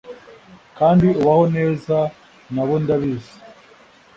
kandi ubaho neza nabo ndabizi